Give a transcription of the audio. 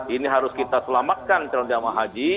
ini harus kita selamatkan calon jamaah haji